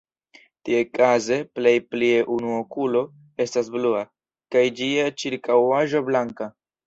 Tie kaze plej plie unu okulo estas blua, kaj ĝia ĉirkaŭaĵo blanka.